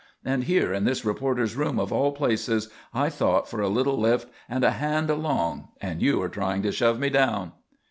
And here in this reporters' room of all places I thought for a little lift and a hand along and you are trying to shove me down."